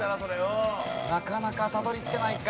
なかなかたどり着けないか？